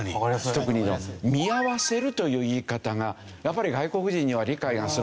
特に「見合わせる」という言い方がやっぱり外国人には理解するのが難しい。